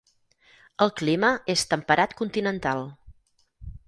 El clima és temperat continental.